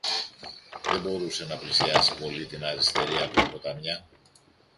Δεν μπορούσε και να πλησιάσει πολύ την αριστερή ακροποταμιά